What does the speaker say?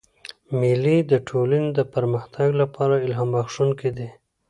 مېلې د ټولني د پرمختګ له پاره الهام بخښونکي دي.